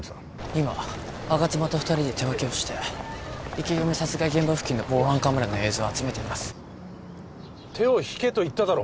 今吾妻と二人で手分けをして池上殺害現場付近の防犯カメラの映像を集めています手を引けと言っただろ！